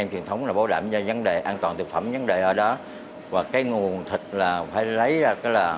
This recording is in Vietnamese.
truyền thống là bảo đảm cho vấn đề an toàn thực phẩm vấn đề ở đó và cái nguồn thịt là phải lấy ra là